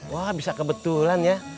wah bisa kebetulan ya